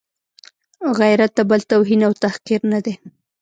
غیرت د بل توهین او تحقیر نه دی.